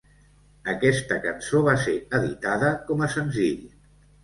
Aquesta cançó va ser editada com a senzill.